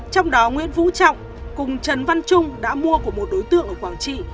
trong đó nguyễn vũ trọng cùng trần văn trung đã mua của một đối tượng ở quảng trị